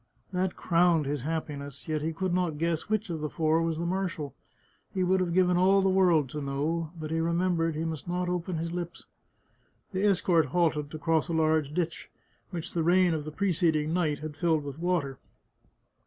That crowned his happiness ; yet he could not guess which of the four was the marshal. He would have given all the world to know, but he remem bered he must not open his lips. The escort halted to cross a large ditch, which the rain of the preceding night had filled with water.